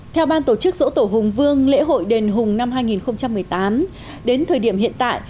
theo ban tổ chức dỗ tổ hùng vương lễ hội đền hùng năm hai nghìn một mươi tám đến thời điểm hiện tại